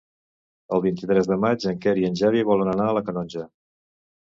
El vint-i-tres de maig en Quer i en Xavi volen anar a la Canonja.